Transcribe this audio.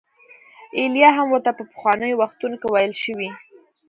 ایلیا هم ورته په پخوانیو وختونو کې ویل شوي.